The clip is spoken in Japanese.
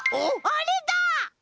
あれだ！